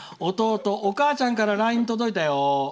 「弟、おかあちゃんからＬＩＮＥ届いたよ。